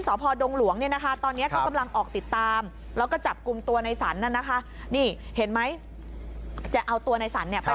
สพดงหลวงเนี่ยนะคะตอนนี้ก็กำลังออกติดตามแล้วก็จับกลุ่มตัวในสรรน่ะนะคะนี่เห็นไหมจะเอาตัวในสรรเนี่ยไป